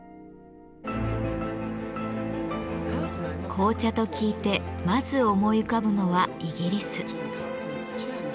紅茶と聞いてまず思い浮かぶのはイギリス。